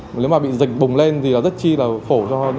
nếu mà bị dịch bùng lên thì rất chi là khổ